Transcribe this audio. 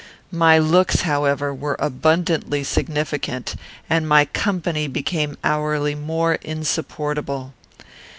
My looks, however, were abundantly significant, and my company became hourly more insupportable.